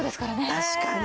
確かに。